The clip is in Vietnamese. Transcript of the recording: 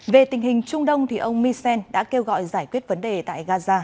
về tình hình trung đông ông misen đã kêu gọi giải quyết vấn đề tại gaza